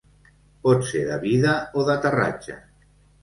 Pot ser de vida o d'aterratge.